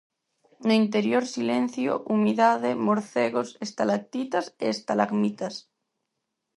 No interior silencio, humidade, morcegos, estalactitas e estalagmitas.